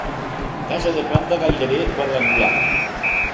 Casa de planta gairebé quadrangular.